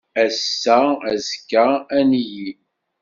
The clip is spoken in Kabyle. Ass-a azekka ad nili.